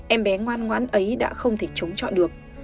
em bé ngoan ngoãn ấy đã không thể chống trọi được